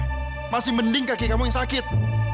gak usah jalan kaki kamu yang sakit